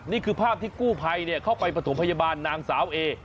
นี่คือภาพที่กู้ภัยเข้าไปประถมพยาบาลนางสาวเอ